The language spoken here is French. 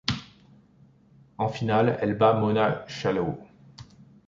En finale, elle bat Mona Schallau.